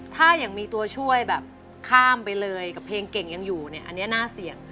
ถ้ายังมีตัวช่วยแบบข้ามไปเลยกับเพลงเก่งยังอยู่เนี่ยอันนี้น่าเสี่ยง